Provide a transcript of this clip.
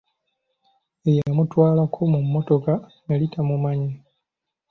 Eyamutwalako mu mmotoka yali tamumanyi.